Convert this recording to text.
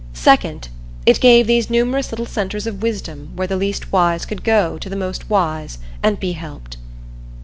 Second, it gave these numerous little centers of wisdom where the least wise could go to the most wise and be helped.